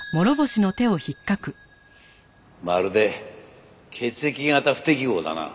まるで血液型不適合だな。